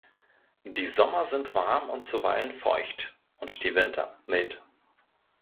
Die Sommer sind warm und zuweilen feucht und die Winter mild.